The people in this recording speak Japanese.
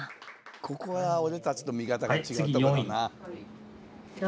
ここは俺たちと見方が違うとこだな。